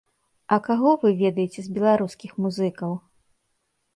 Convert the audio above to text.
А каго вы ведаеце з беларускіх музыкаў?